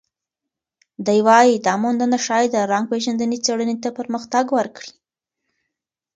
دی وايي، دا موندنه ښايي د رنګ پېژندنې څېړنې ته پرمختګ ورکړي.